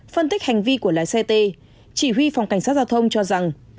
phân tích hành vi của lái xe t chỉ huy phòng cảnh sát giao thông cho rằng